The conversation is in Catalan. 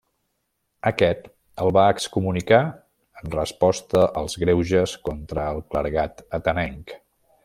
Aquest el va excomunicar en resposta als greuges contra el clergat atenenc.